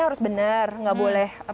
harus benar nggak boleh